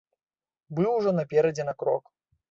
Быў ужо наперадзе на крок.